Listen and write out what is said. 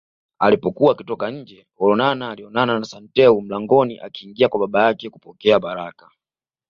Alipokuwa akitoka nje Olonana alionana na Santeu mlangoni akiingia kwa baba yake kupokea baraka